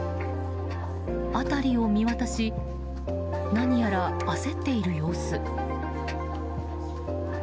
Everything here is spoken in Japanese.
辺りを見渡し何やら焦っている様子。